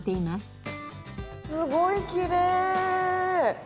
すごいきれい！